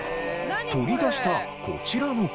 取り出したこちらの器具。